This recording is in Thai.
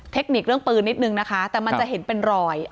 เทคนิคเรื่องปืนนิดนึงนะคะแต่มันจะเห็นเป็นรอย